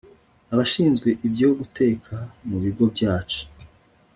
Abashinzwe ibyo guteka mu bigo byacu